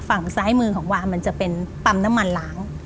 รอยมือของวามันจะเป็นปั๊มน้ำมันหลาง